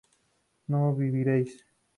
no viviréis